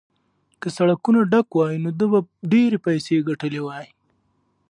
که سړکونه ډک وای نو ده به ډېرې پیسې ګټلې وای.